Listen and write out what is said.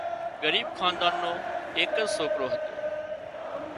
ڳريٻ حاندان نو ايڪز سوڪرو هتو